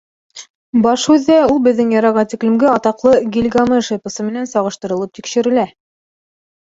Баш һүҙҙә ул беҙҙең эраға тиклемге атаҡлы «Гильгамеш» эпосы менән сағыштырылып тикшерелә.